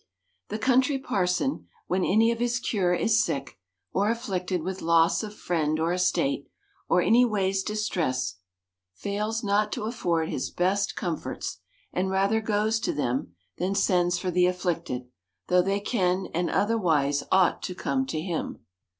The Country Parson, when any of his cure is sick, or afflicted with loss of friend or estate, or any ways dis tressed, fails not to afford his best comforts : and rather goes to them, than sends for the afflicted ; though they can, and otherwise ought to come to him.